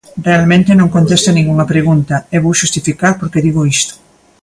Realmente, non contesta ningunha pregunta, e vou xustificar por que digo isto.